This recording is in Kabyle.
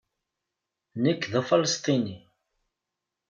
Nekk d Afalesṭini.